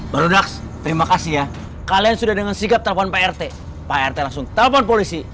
berlaks terima kasih ya kalian sudah dengan sigap telepon prt prt langsung telepon polisi